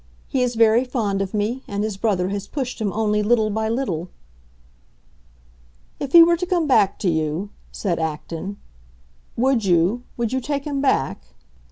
He is very fond of me, and his brother has pushed him only little by little." "If he were to come back to you," said Acton, "would you—would you take him back?"